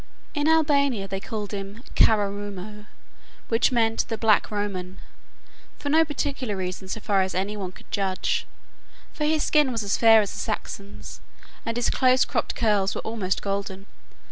In Albania they called him "Kara Rumo," which meant "The Black Roman," for no particular reason so far as any one could judge, for his skin was as fair as a Saxon's, and his close cropped curls were almost golden.